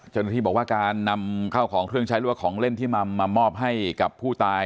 เจ้าหน้าที่บอกว่าการนำเข้าของเครื่องใช้หรือว่าของเล่นที่มามอบให้กับผู้ตาย